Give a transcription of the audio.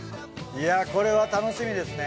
これは楽しみですね。